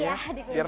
iya dikunci perut